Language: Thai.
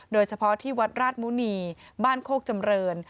โดยเฉพาะที่วัดราชมุณีบ้านโคกจำเริน